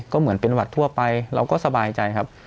ก็เหมือนเป็นหวัดทั่วไปเราก็สบายใจครับ